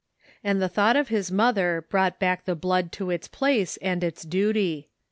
And the thought of his mother brought back the blood to its place and its duty.